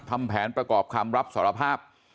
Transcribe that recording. ทำแผนประกอบคำรับสารภาพ